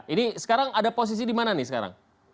ini sekarang ada posisi di mana nih sekarang